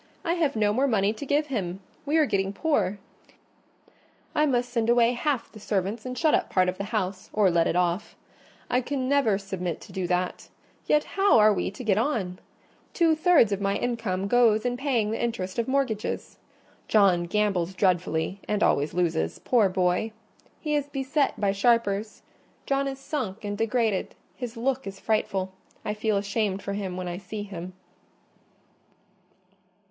I have no more money to give him: we are getting poor. I must send away half the servants and shut up part of the house; or let it off. I can never submit to do that—yet how are we to get on? Two thirds of my income goes in paying the interest of mortgages. John gambles dreadfully, and always loses—poor boy! He is beset by sharpers: John is sunk and degraded—his look is frightful—I feel ashamed for him when I see him."